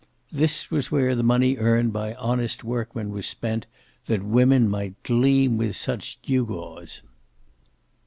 This was where the money earned by honest workmen was spent, that women might gleam with such gewgaws.